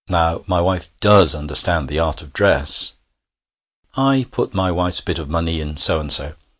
Now, my wife does understand the art of dress. I put my wife's bit of money into so and so.'